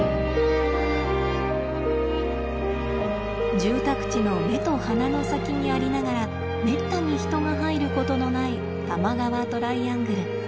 住宅地の目と鼻の先にありながらめったに人が入ることのない多摩川トライアングル。